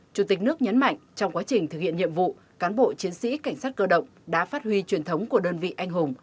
chủ tịch nước nhấn mạnh trong quá trình thực hiện nhiệm vụ cán bộ chiến sĩ cảnh sát cơ động đã phát huy truyền thống của đơn vị anh hùng